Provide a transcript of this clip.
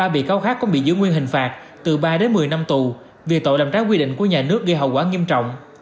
một mươi bị cáo khác cũng bị giữ nguyên hình phạt từ ba đến một mươi năm tù vì tội làm trái quy định của nhà nước gây hậu quả nghiêm trọng